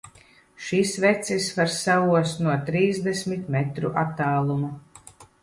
Šis vecis var saost no trīsdesmit metru attāluma!